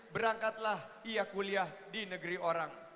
berangkatlah ia kuliah di negeri orang